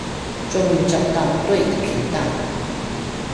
終於找到對的頻道